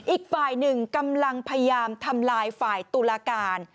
อีกฝ่ายหนึ่งกำลังพยายามทำลายฝ่ายตุลาการ